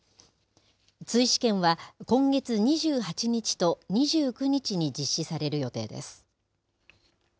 追試験は、今月２８日と２９日に実施される予定です。